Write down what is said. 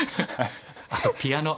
あとピアノ。